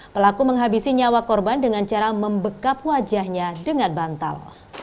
pelaku menghabisi nyawa korban dengan cara membekap wajahnya dengan bantal